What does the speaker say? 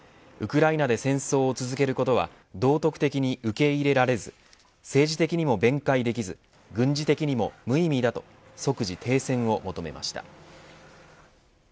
ウクライナで戦争を続けることは道徳的に受け入れられず政治的にも弁解できず軍事的にも無意味だと即時停戦を求めました。